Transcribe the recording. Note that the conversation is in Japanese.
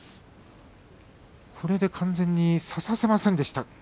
これで完全に差させませんでした。